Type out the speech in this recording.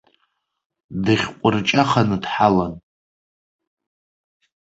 Дыхьҟәырҷаханы дҳалан.